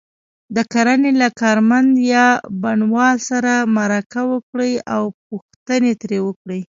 د کرنې له کارمند یا بڼوال سره مرکه وکړئ او پوښتنې ترې وکړئ.